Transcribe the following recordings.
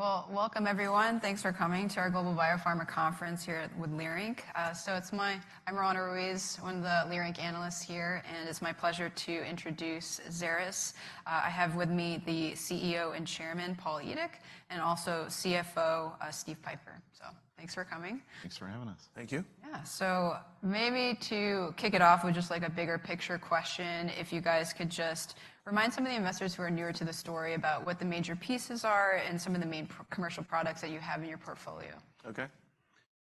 Well, welcome everyone. Thanks for coming to our Global Biopharma Conference here with Leerink. So, I'm Roanna Ruiz, one of the Leerink analysts here, and it's my pleasure to introduce Xeris. I have with me the CEO and Chairman, Paul Edick, and also CFO, Steven Pieper. So, thanks for coming. Thanks for having us. Thank you. Yeah, so maybe to kick it off with just, like, a bigger picture question, if you guys could just remind some of the investors who are newer to the story about what the major pieces are and some of the main commercial products that you have in your portfolio. Okay.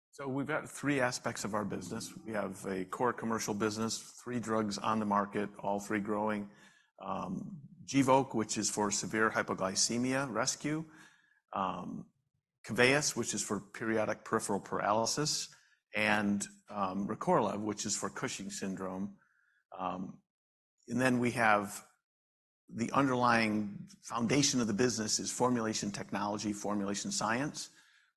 So we've got three aspects of our business. We have a core commercial business, three drugs on the market, all three growing. Gvoke, which is for severe hypoglycemia rescue, Keveyis, which is for primary periodic paralysis, and Recorlev, which is for Cushing's syndrome. And then we have the underlying foundation of the business is formulation technology, formulation science.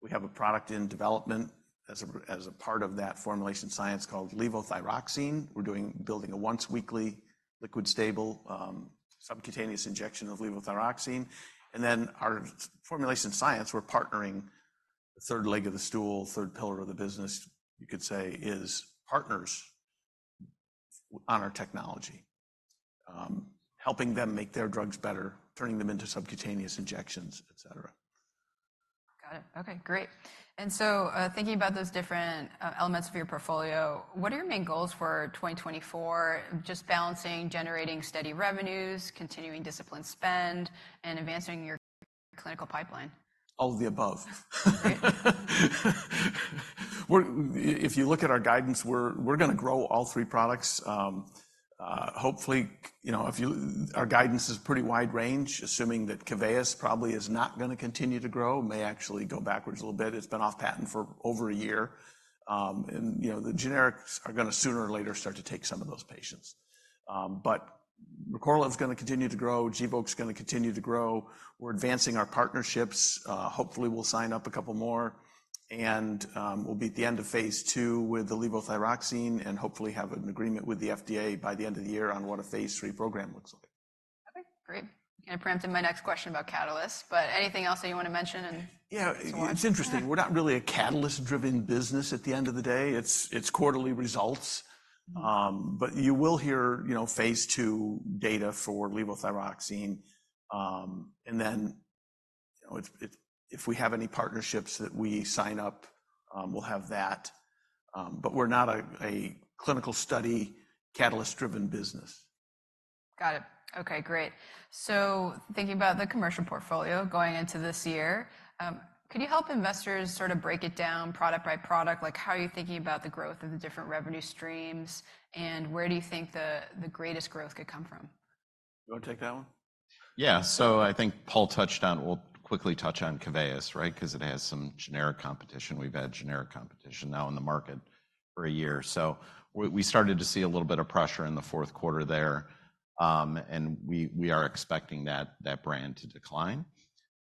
We have a product in development as a part of that formulation science called levothyroxine. We're building a once-weekly, liquid-stable, subcutaneous injection of levothyroxine. And then our formulation science, we're partnering. The third leg of the stool, third pillar of the business, you could say, is partners on our technology, helping them make their drugs better, turning them into subcutaneous injections, et cetera. Got it. Okay, great. And so, thinking about those different elements of your portfolio, what are your main goals for 2024? Just balancing, generating steady revenues, continuing disciplined spend, and advancing your clinical pipeline. All of the above. Great. If you look at our guidance, we're gonna grow all three products. Hopefully, you know, if you... Our guidance is pretty wide range, assuming that Keveyis probably is not gonna continue to grow, may actually go backwards a little bit. It's been off patent for over a year, and, you know, the generics are gonna sooner or later start to take some of those patients. But Recorlev is gonna continue to grow, Gvoke is gonna continue to grow. We're advancing our partnerships. Hopefully, we'll sign up a couple more, and, we'll be at the end of phase II with the levothyroxine, and hopefully have an agreement with the FDA by the end of the year on what a phase III program looks like. Okay, great. You kind of preempted my next question about catalysts, but anything else that you want to mention and- Yeah, it- So on?... it's interesting. We're not really a catalyst-driven business at the end of the day. It's quarterly results. But you will hear, you know, phase II data for levothyroxine. And then if we have any partnerships that we sign up, we'll have that. But we're not a clinical study, catalyst-driven business. Got it. Okay, great. So thinking about the commercial portfolio going into this year, could you help investors sort of break it down product by product? Like, how are you thinking about the growth of the different revenue streams, and where do you think the greatest growth could come from? You want to take that one? Yeah, so I think Paul touched on, we'll quickly touch on Keveyis, right? Because it has some generic competition. We've had generic competition now in the market for a year. So we started to see a little bit of pressure in the fourth quarter there, and we are expecting that brand to decline.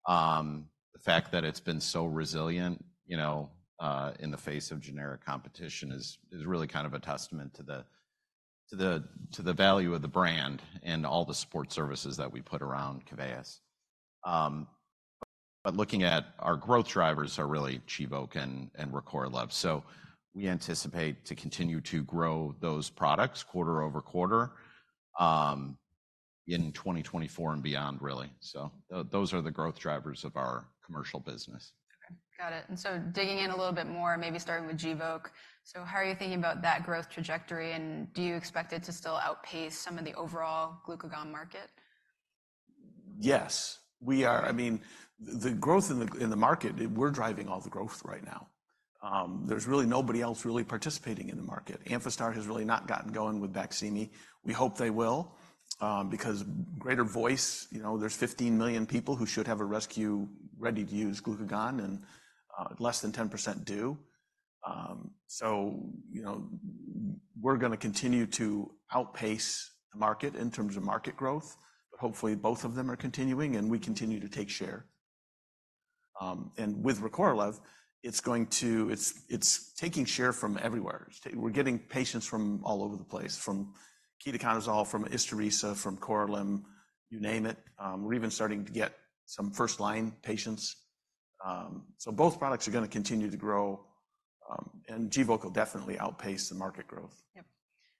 The fact that it's been so resilient, you know, in the face of generic competition is really kind of a testament to the value of the brand and all the support services that we put around Keveyis. But looking at our growth drivers are really Gvoke and Recorlev. So we anticipate to continue to grow those products quarter-over-quarter in 2024 and beyond, really. So those are the growth drivers of our commercial business. Okay, got it. And so digging in a little bit more, maybe starting with Gvoke. So how are you thinking about that growth trajectory, and do you expect it to still outpace some of the overall glucagon market? Yes. We are, I mean, the growth in the, in the market, we're driving all the growth right now. There's really nobody else really participating in the market. Amphastar has really not gotten going with Baqsimi. We hope they will, because Gvoke, you know, there's 15 million people who should have a rescue, ready-to-use glucagon, and less than 10% do. So, you know, we're gonna continue to outpace the market in terms of market growth, but hopefully, both of them are continuing, and we continue to take share. And with Recorlev, it's going to, it's, it's taking share from everywhere. We're getting patients from all over the place, from ketoconazole, from Isturisa, from Korlym, you name it. We're even starting to get some first-line patients. So both products are gonna continue to grow, and Gvoke will definitely outpace the market growth. Yep.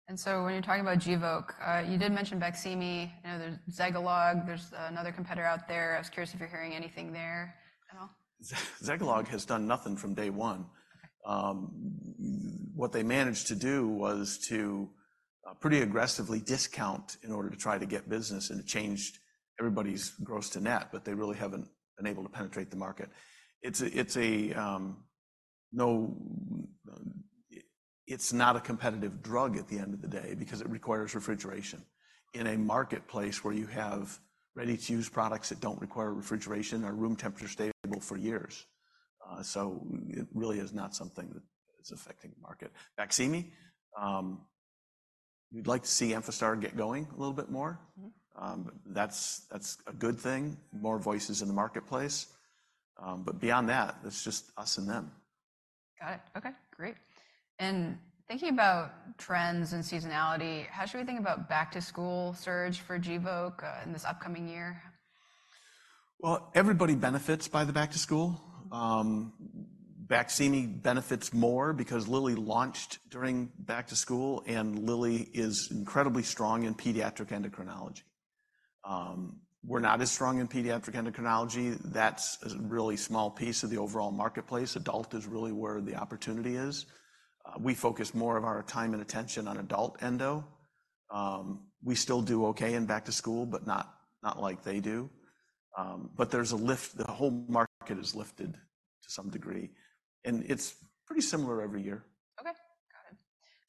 And so when you're talking about Gvoke, you did mention Baqsimi, you know, there's Zegalogue, there's another competitor out there. I was curious if you're hearing anything there at all? Zegalogue has done nothing from day one. What they managed to do was to pretty aggressively discount in order to try to get business, and it changed everybody's gross to net, but they really haven't been able to penetrate the market. It's not a competitive drug at the end of the day because it requires refrigeration. In a marketplace where you have ready-to-use products that don't require refrigeration, are room temperature stable for years. So it really is not something that is affecting the market. Baqsimi, we'd like to see Amphastar get going a little bit more. Mm-hmm. That's a good thing, more voices in the marketplace. But beyond that, it's just us and them. Got it. Okay, great. And thinking about trends and seasonality, how should we think about back-to-school surge for Gvoke in this upcoming year? Well, everybody benefits by the back to school. Baqsimi benefits more because Lilly launched during back to school, and Lilly is incredibly strong in pediatric endocrinology. We're not as strong in pediatric endocrinology. That's a really small piece of the overall marketplace. Adult is really where the opportunity is. We focus more of our time and attention on adult endo. We still do okay in back to school, but not, not like they do. But there's a lift. The whole market is lifted to some degree, and it's pretty similar every year.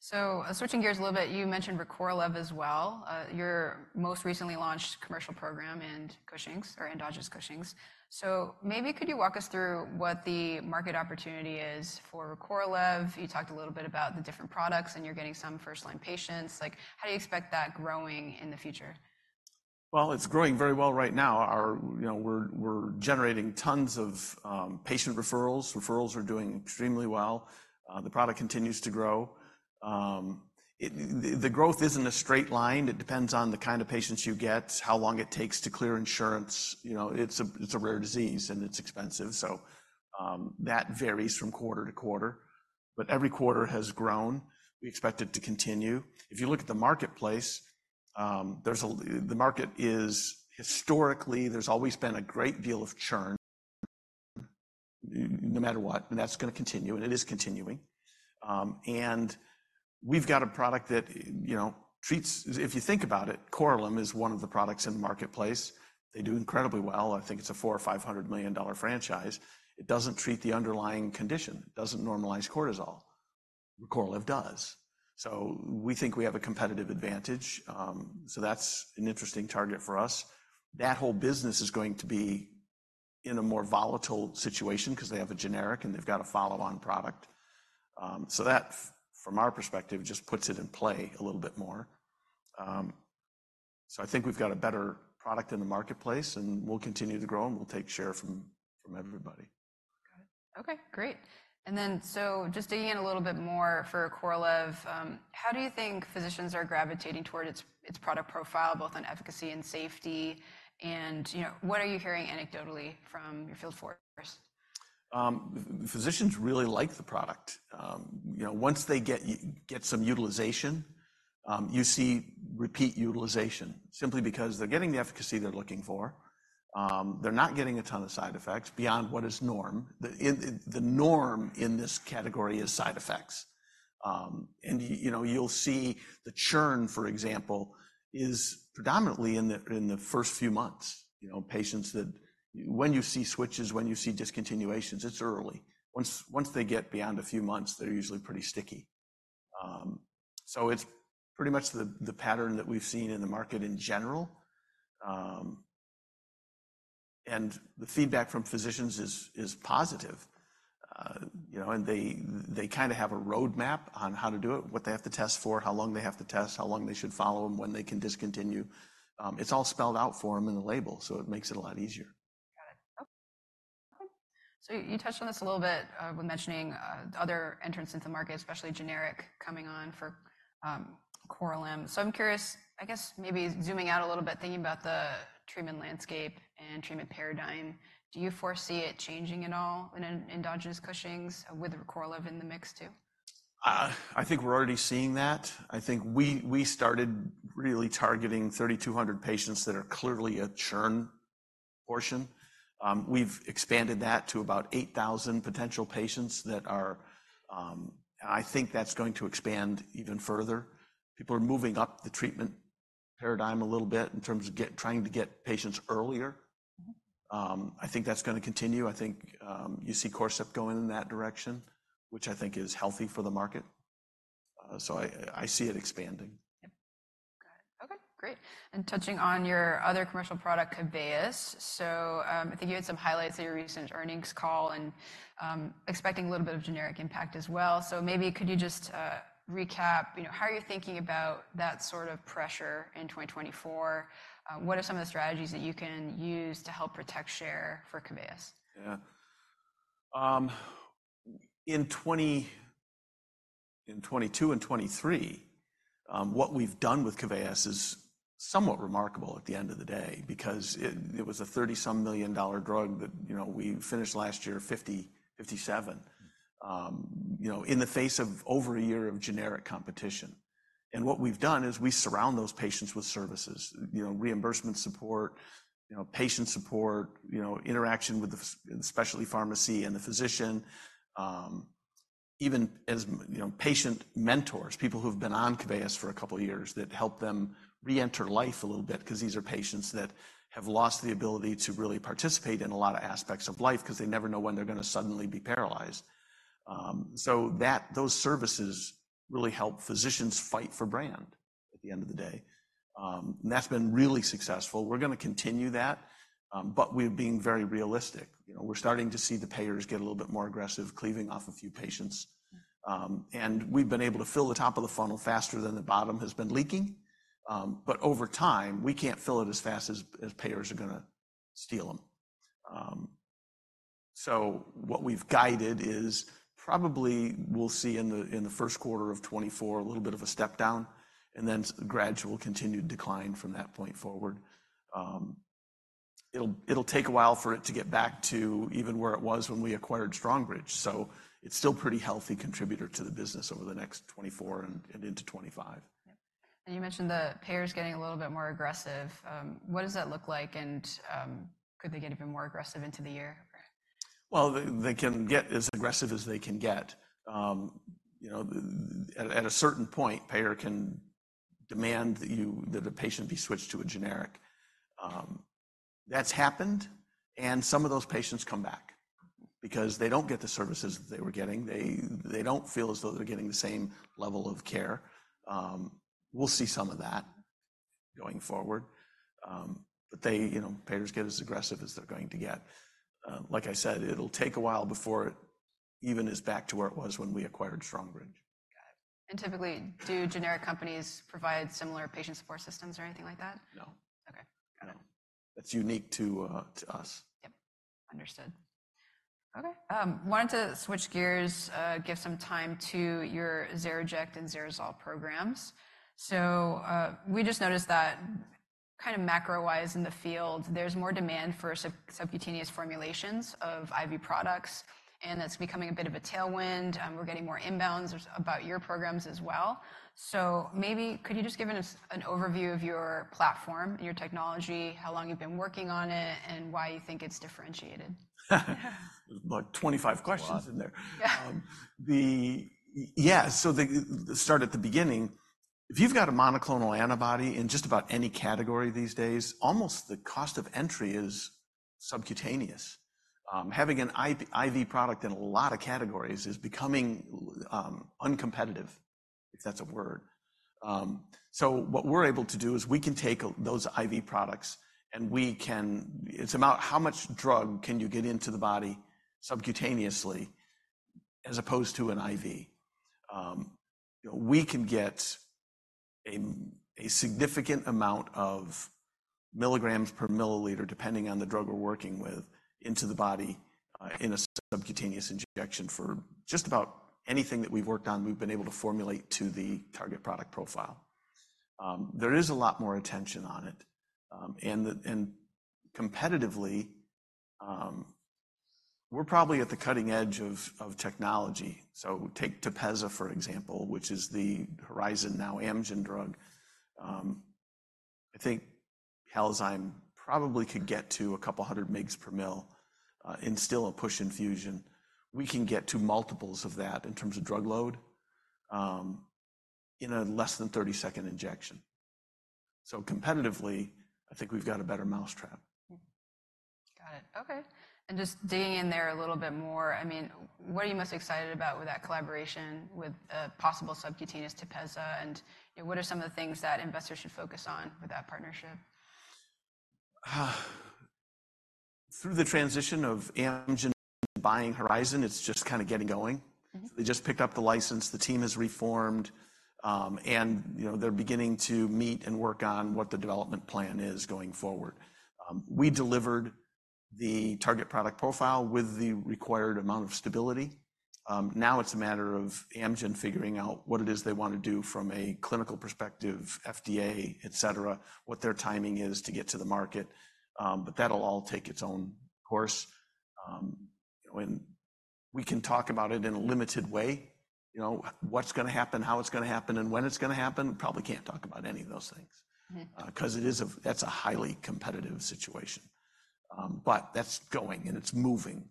Okay, got it. So, switching gears a little bit, you mentioned Recorlev as well, your most recently launched commercial program in Cushing's or endogenous Cushing's. So maybe could you walk us through what the market opportunity is for Recorlev? You talked a little bit about the different products, and you're getting some first-line patients. Like, how do you expect that growing in the future? Well, it's growing very well right now. Our you know, we're generating tons of patient referrals. Referrals are doing extremely well. The product continues to grow. The growth isn't a straight line. It depends on the kind of patients you get, how long it takes to clear insurance. You know, it's a rare disease, and it's expensive, so that varies from quarter to quarter, but every quarter has grown. We expect it to continue. If you look at the marketplace, the market is historically, there's always been a great deal of churn, no matter what, and that's gonna continue, and it is continuing. And we've got a product. If you think about it, Korlym is one of the products in the marketplace. They do incredibly well. I think it's a $400-$500 million franchise. It doesn't treat the underlying condition, doesn't normalize cortisol. Recorlev does. So we think we have a competitive advantage, so that's an interesting target for us. That whole business is going to be in a more volatile situation 'cause they have a generic, and they've got a follow-on product. So that, from our perspective, just puts it in play a little bit more. So I think we've got a better product in the marketplace, and we'll continue to grow, and we'll take share from, from everybody. Got it. Okay, great. And then, so just digging in a little bit more for Recorlev, how do you think physicians are gravitating toward its, its product profile, both on efficacy and safety? And, you know, what are you hearing anecdotally from your field force? Physicians really like the product. You know, once they get some utilization, you see repeat utilization simply because they're getting the efficacy they're looking for. They're not getting a ton of side effects beyond what is norm. The norm in this category is side effects. And, you know, you'll see the churn, for example, is predominantly in the first few months. You know, when you see switches, when you see discontinuations, it's early. Once they get beyond a few months, they're usually pretty sticky. So it's pretty much the pattern that we've seen in the market in general. And the feedback from physicians is positive. You know, and they kinda have a roadmap on how to do it, what they have to test for, how long they have to test, how long they should follow them, when they can discontinue. It's all spelled out for them in the label, so it makes it a lot easier. Got it. Okay. So you touched on this a little bit, when mentioning, other entrants into the market, especially generic coming on for, Korlym. So I'm curious, I guess maybe zooming out a little bit, thinking about the treatment landscape and treatment paradigm, do you foresee it changing at all in endogenous Cushing's with Recorlev in the mix, too? I think we're already seeing that. I think we started really targeting 3,200 patients that are clearly a churn portion. We've expanded that to about 8,000 potential patients that are. I think that's going to expand even further. People are moving up the treatment paradigm a little bit in terms of trying to get patients earlier. I think that's gonna continue. I think you see Corcept going in that direction, which I think is healthy for the market. So I see it expanding. Yep. Got it. Okay, great. And touching on your other commercial product, Keveyis. So, I think you had some highlights in your recent earnings call and expecting a little bit of generic impact as well. So maybe could you just recap, you know, how are you thinking about that sort of pressure in 2024? What are some of the strategies that you can use to help protect share for Keveyis? Yeah. In 2022 and 2023, what we've done with Keveyis is somewhat remarkable at the end of the day because it, it was a $30-some million drug that, you know, we finished last year $57 million, you know, in the face of over a year of generic competition. And what we've done is we surround those patients with services, you know, reimbursement support, you know, patient support, you know, interaction with the specialty pharmacy and the physician, even as, you know, patient mentors, people who've been on Keveyis for a couple of years that help them reenter life a little bit because these are patients that have lost the ability to really participate in a lot of aspects of life because they never know when they're gonna suddenly be paralyzed. So that, those services really help physicians fight for brand at the end of the day. And that's been really successful. We're gonna continue that, but we're being very realistic. You know, we're starting to see the payers get a little bit more aggressive, cleaving off a few patients, and we've been able to fill the top of the funnel faster than the bottom has been leaking. But over time, we can't fill it as fast as payers are gonna steal them. So what we've guided is probably we'll see in the first quarter of 2024, a little bit of a step down, and then gradual continued decline from that point forward. It'll take a while for it to get back to even where it was when we acquired Strongbridge, so it's still a pretty healthy contributor to the business over the next 2024 and into 2025. You mentioned the payers getting a little bit more aggressive. What does that look like, and could they get even more aggressive into the year? Well, they can get as aggressive as they can get. You know, at a certain point, payer can demand that you, that the patient be switched to a generic. That's happened, and some of those patients come back because they don't get the services that they were getting. They don't feel as though they're getting the same level of care. We'll see some of that going forward. But they, you know, payers get as aggressive as they're going to get. Like I said, it'll take a while before it even is back to where it was when we acquired Strongbridge. Got it. And typically, do generic companies provide similar patient support systems or anything like that? No. Okay. No. It's unique to, to us. Yep, understood. Okay, wanted to switch gears, give some time to your XeriJect and XeriSol programs. So, we just noticed that kind of macro-wise in the field, there's more demand for subcutaneous formulations of IV products, and that's becoming a bit of a tailwind. We're getting more inbounds about your programs as well. So maybe could you just give us an overview of your platform, your technology, how long you've been working on it, and why you think it's differentiated? About 25 questions in there. Yeah. Yeah, so start at the beginning, if you've got a monoclonal antibody in just about any category these days, almost the cost of entry is subcutaneous. Having an IV product in a lot of categories is becoming uncompetitive, if that's a word. So what we're able to do is we can take those IV products, and we can. It's about how much drug can you get into the body subcutaneously as opposed to an IV. We can get a significant amount of milligrams per milliliter, depending on the drug we're working with, into the body in a subcutaneous injection. For just about anything that we've worked on, we've been able to formulate to the target product profile. There is a lot more attention on it, and competitively, we're probably at the cutting edge of technology. So take Tepezza, for example, which is the Horizon, now Amgen, drug. I think Halozyme probably could get to a couple hundred mgs per mil in still a push infusion. We can get to multiples of that in terms of drug load in a less than 30-second injection. So competitively, I think we've got a better mousetrap. Got it. Okay, and just digging in there a little bit more, I mean, what are you most excited about with that collaboration with a possible subcutaneous Tepezza, and, you know, what are some of the things that investors should focus on with that partnership? Through the transition of Amgen buying Horizon, it's just kind of getting going. Mm-hmm. They just picked up the license, the team is reformed, and, you know, they're beginning to meet and work on what the development plan is going forward. We delivered the target product profile with the required amount of stability. Now it's a matter of Amgen figuring out what it is they want to do from a clinical perspective, FDA, et cetera, what their timing is to get to the market. But that'll all take its own course. We can talk about it in a limited way. You know, what's gonna happen, how it's gonna happen, and when it's gonna happen, probably can't talk about any of those things because that's a highly competitive situation. But that's going, and it's moving.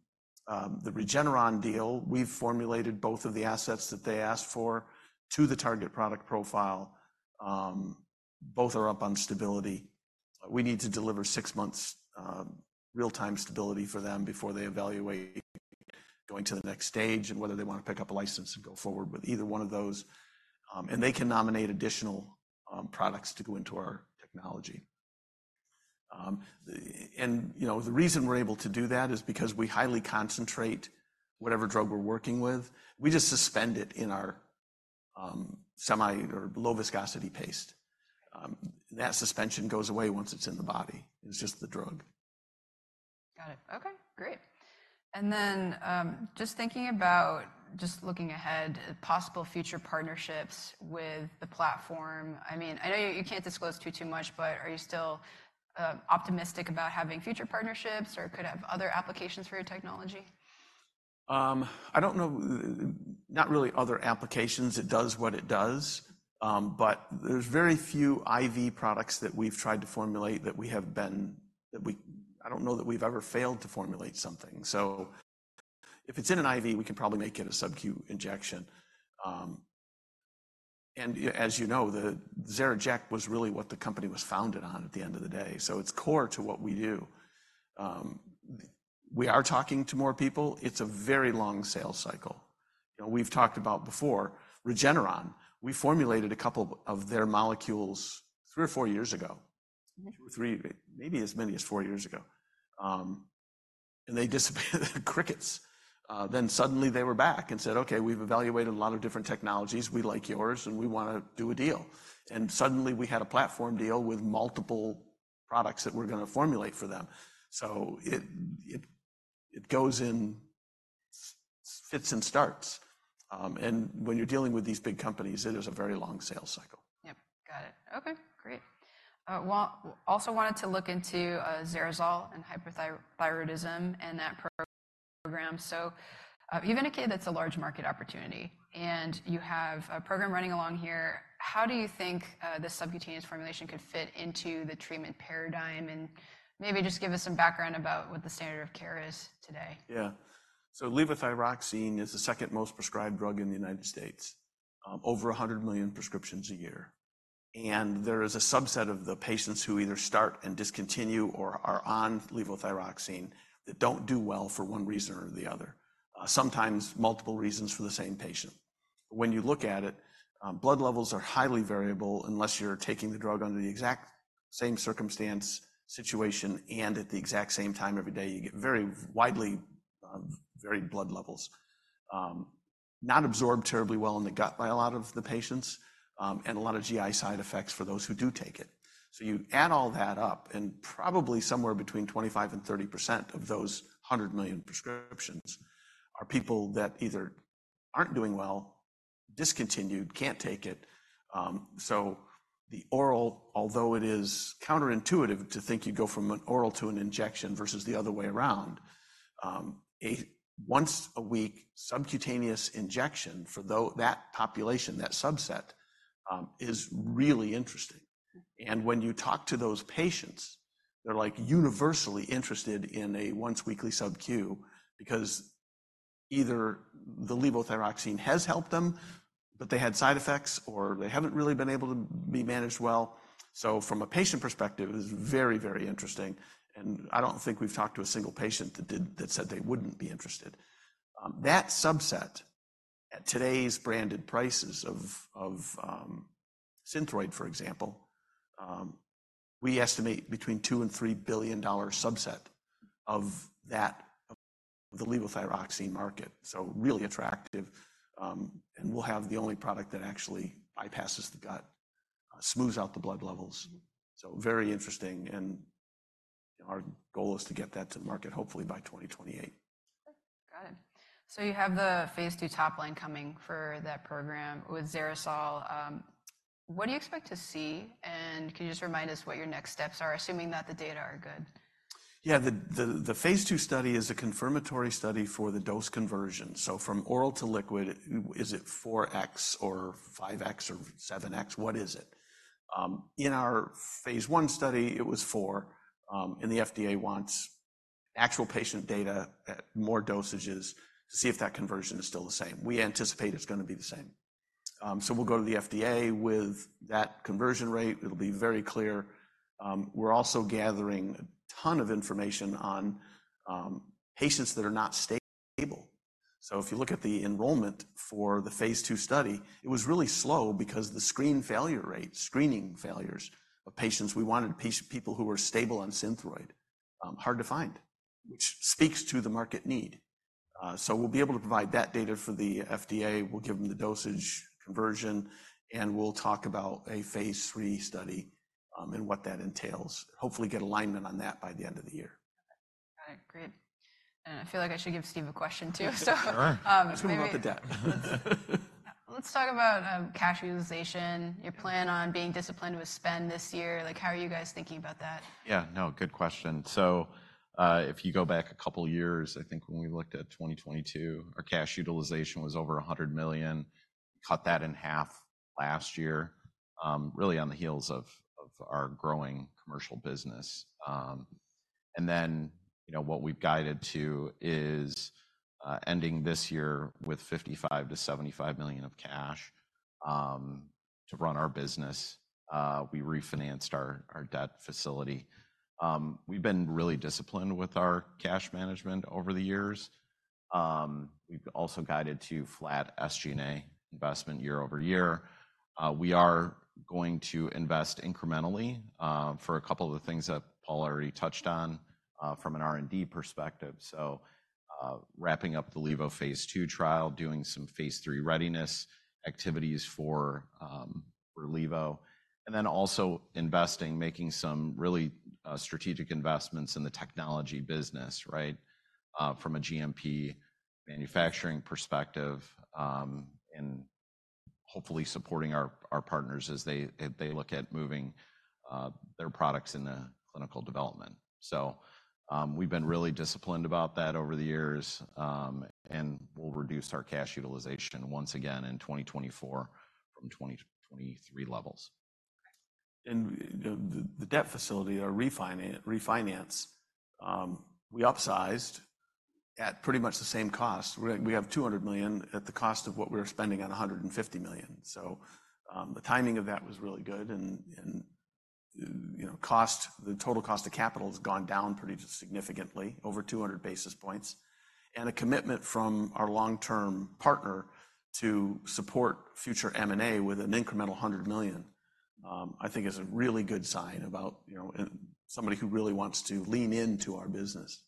The Regeneron deal, we've formulated both of the assets that they asked for to the target product profile. Both are up on stability. We need to deliver six months real-time stability for them before they evaluate going to the next stage and whether they want to pick up a license and go forward with either one of those. And they can nominate additional products to go into our technology. And, you know, the reason we're able to do that is because we highly concentrate whatever drug we're working with. We just suspend it in our semi or low viscosity paste. That suspension goes away once it's in the body. It's just the drug. Got it. Okay, great. And then, just thinking about just looking ahead at possible future partnerships with the platform, I mean, I know you, you can't disclose too, too much, but are you still, optimistic about having future partnerships or could have other applications for your technology? I don't know, not really other applications. It does what it does. But there's very few IV products that we've tried to formulate—I don't know that we've ever failed to formulate something. So if it's in an IV, we can probably make it a sub-Q injection. And as you know, the XeriJect was really what the company was founded on at the end of the day, so it's core to what we do. We are talking to more people. It's a very long sales cycle. You know, we've talked about before, Regeneron, we formulated a couple of their molecules three or four years ago. Mm. Three years, maybe as many as 4 years ago. And they disappeared like crickets. Then suddenly they were back and said: "Okay, we've evaluated a lot of different technologies. We like yours, and we wanna do a deal." And suddenly, we had a platform deal with multiple products that we're gonna formulate for them. So it goes in fits and starts. And when you're dealing with these big companies, it is a very long sales cycle. Yep. Got it. Okay, great. Well, also wanted to look into XeriSol and hypothyroidism and that program. So, given that's a large market opportunity, and you have a program running along here, how do you think the subcutaneous formulation could fit into the treatment paradigm? And maybe just give us some background about what the standard of care is today. Yeah. Levothyroxine is the second most prescribed drug in the United States, over 100 million prescriptions a year. There is a subset of the patients who either start and discontinue or are on Levothyroxine that don't do well for one reason or the other, sometimes multiple reasons for the same patient. When you look at it, blood levels are highly variable unless you're taking the drug under the exact same circumstance, situation, and at the exact same time every day. You get very widely varied blood levels. Not absorbed terribly well in the gut by a lot of the patients, and a lot of GI side effects for those who do take it. So you add all that up, and probably somewhere between 25%-30% of those 100 million prescriptions are people that either aren't doing well, discontinued, can't take it. So the oral, although it is counterintuitive to think you'd go from an oral to an injection versus the other way around, a once-a-week subcutaneous injection for that population, that subset, is really interesting. And when you talk to those patients, they're, like, universally interested in a once weekly subQ because either the levothyroxine has helped them, but they had side effects, or they haven't really been able to be managed well. So from a patient perspective, it is very, very interesting, and I don't think we've talked to a single patient that said they wouldn't be interested. That subset, at today's branded prices of, of, Synthroid, for example, we estimate between $2 billion and $3 billion subset of that, of the levothyroxine market, so really attractive. And we'll have the only product that actually bypasses the gut, smooths out the blood levels. So very interesting, and our goal is to get that to the market hopefully by 2028. Got it. So you have the phase II top line coming for that program with XeriSol. What do you expect to see, and can you just remind us what your next steps are, assuming that the data are good? Yeah. The phase II study is a confirmatory study for the dose conversion. So from oral to liquid, is it 4x or 5x or 7x? What is it? In our phase I study, it was 4x, and the FDA wants actual patient data at more dosages to see if that conversion is still the same. We anticipate it's gonna be the same. So we'll go to the FDA with that conversion rate. It'll be very clear. We're also gathering a ton of information on patients that are not stable. So if you look at the enrollment for the phase II study, it was really slow because the screen failure rate, screening failures of patients. We wanted people who were stable on Synthroid. Hard to find, which speaks to the market need. So we'll be able to provide that data for the FDA. We'll give them the dosage conversion, and we'll talk about a phase III study, and what that entails. Hopefully, get alignment on that by the end of the year. Got it. Great. And I feel like I should give Steve a question too, so - Sure. Um, maybe- Ask him about the debt. Let's, let's talk about cash utilization, your plan on being disciplined with spend this year. Like, how are you guys thinking about that? Yeah. No, good question. So, if you go back a couple of years, I think when we looked at 2022, our cash utilization was over $100 million. Cut that in half last year, really on the heels of our growing commercial business. And then, you know, what we've guided to is ending this year with $55 million-$75 million of cash to run our business. We refinanced our debt facility. We've been really disciplined with our cash management over the years. We've also guided to flat SG&A investment year-over-year. We are going to invest incrementally for a couple of the things that Paul already touched on from an R&D perspective. So, wrapping up the Levo phase II trial, doing some phase III readiness activities for Levo, and then also investing, making some really strategic investments in the technology business, right? From a GMP manufacturing perspective, and hopefully supporting our partners as they look at moving their products into clinical development. So, we've been really disciplined about that over the years, and we'll reduce our cash utilization once again in 2024 from 2023 levels. Great. The debt facility, our refinance, we upsized at pretty much the same cost. We have $200 million at the cost of what we were spending on $150 million. So, the timing of that was really good, and you know, the total cost of capital has gone down pretty significantly, over 200 basis points. And a commitment from our long-term partner to support future M&A with an incremental $100 million. I think is a really good sign about, you know, somebody who really wants to lean into our business.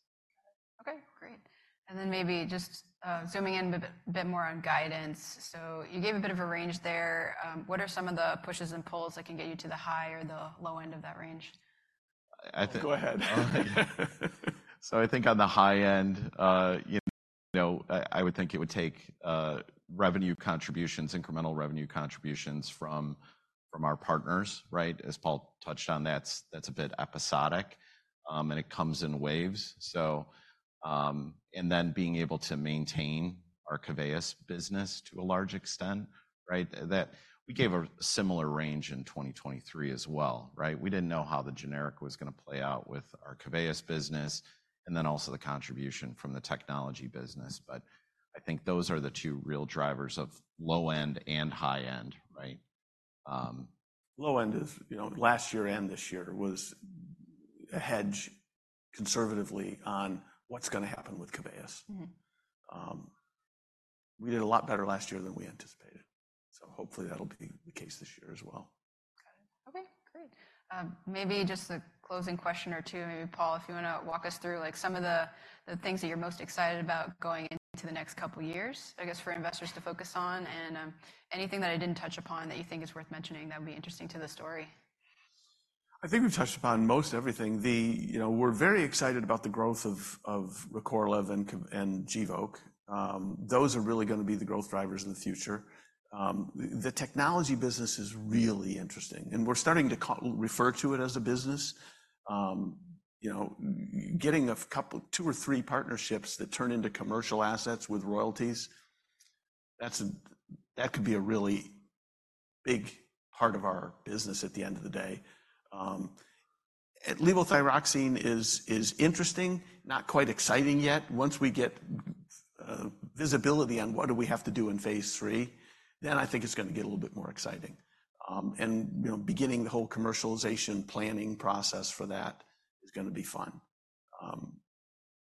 Okay, great. And then maybe just zooming in a bit more on guidance. So you gave a bit of a range there. What are some of the pushes and pulls that can get you to the high or the low end of that range? I think- Go ahead. So I think on the high end, you know, I would think it would take revenue contributions, incremental revenue contributions from our partners, right? As Paul touched on, that's a bit episodic, and it comes in waves. So, and then being able to maintain our Keveyis business to a large extent, right? We gave a similar range in 2023 as well, right? We didn't know how the generic was gonna play out with our Keveyis business, and then also the contribution from the technology business. But I think those are the two real drivers of low end and high end, right? Low end is, you know, last year and this year was a hedge conservatively on what's gonna happen with Keveyis. Mm-hmm. We did a lot better last year than we anticipated, so hopefully that'll be the case this year as well. Okay. Okay, great. Maybe just a closing question or two, maybe, Paul, if you wanna walk us through, like, some of the things that you're most excited about going into the next couple of years, I guess, for investors to focus on, and anything that I didn't touch upon that you think is worth mentioning, that would be interesting to the story. I think we've touched upon most everything. You know, we're very excited about the growth of Recorlev and Gvoke. Those are really gonna be the growth drivers in the future. The technology business is really interesting, and we're starting to refer to it as a business. You know, getting a couple, 2 or 3 partnerships that turn into commercial assets with royalties, that's that could be a really big part of our business at the end of the day. Levothyroxine is interesting, not quite exciting yet. Once we get visibility on what we have to do in phase III, then I think it's gonna get a little bit more exciting. And, you know, beginning the whole commercialization planning process for that is gonna be fun.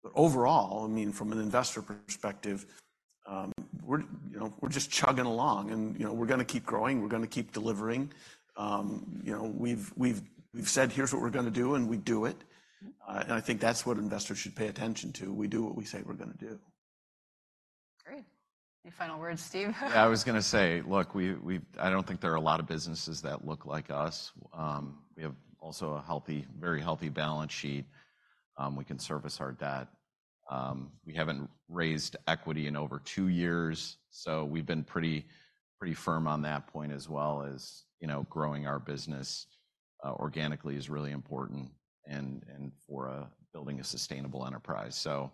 But overall, I mean, from an investor perspective, we're, you know, we're just chugging along, and, you know, we're gonna keep growing, we're gonna keep delivering. You know, we've said, "Here's what we're gonna do," and we do it. Mm-hmm. I think that's what investors should pay attention to. We do what we say we're gonna do. Great. Any final words, Steve? Yeah, I was gonna say, look, we've I don't think there are a lot of businesses that look like us. We have also a healthy, very healthy balance sheet. We can service our debt. We haven't raised equity in over two years, so we've been pretty, pretty firm on that point as well as, you know, growing our business organically is really important and for building a sustainable enterprise. So,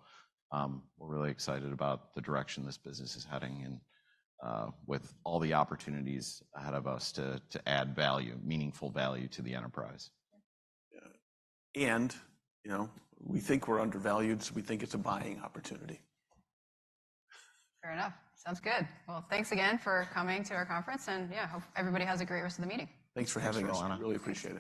we're really excited about the direction this business is heading and with all the opportunities ahead of us to add value, meaningful value to the enterprise. Yeah. And, you know, we think we're undervalued, so we think it's a buying opportunity. Fair enough. Sounds good. Well, thanks again for coming to our conference, and, yeah, hope everybody has a great rest of the meeting. Thanks for having us, Roanna. Thanks. Really appreciate it.